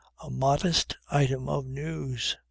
a modest item of news!